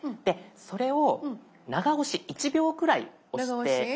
それを長押し１秒くらい押して頂いて。